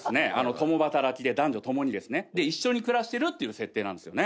共働きで男女ともにですね一緒に暮らしてるっていう設定なんですよね。